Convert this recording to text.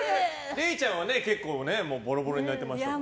れいちゃんは結構ボロボロに泣いてましたけど。